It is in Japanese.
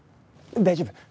大丈夫。